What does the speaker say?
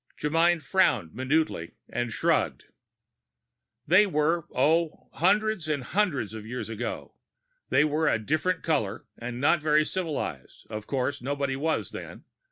Germyn frowned minutely and shrugged. "They were, oh, hundreds and hundreds of years ago. They were a different color and not very civilized of course, nobody was then.